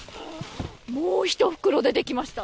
もう１袋出てきました。